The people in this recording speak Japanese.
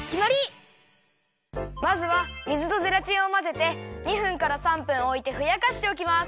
まずは水とゼラチンをまぜて２分から３分おいてふやかしておきます。